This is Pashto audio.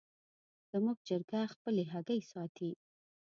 زموږ چرګه خپلې هګۍ ساتي.